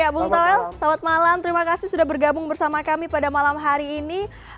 ya bung toel selamat malam terima kasih sudah bergabung bersama kami pada malam hari ini